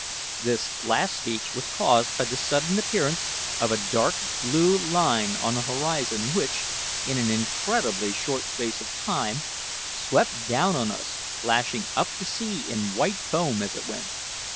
This last speech was caused by the sudden appearance of a dark blue line on the horizon, which, in an incredibly short space of time, swept down on us, lashing up the sea in white foam as it went.